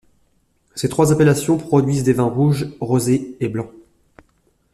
Ces trois appellations produisent des vins rouges, rosés et blancs.